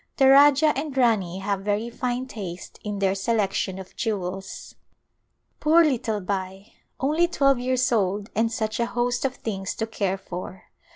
The Rajah and Rani have very fine taste in their selection of jewels. Poor little Bai ! Only twelve years old and such a host of things to care for